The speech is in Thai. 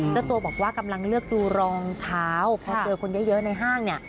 เจ้าตัวบอกว่ากำลังเลือกดูรองเท้าพอเจอคนเยอะในห้างเนี่ย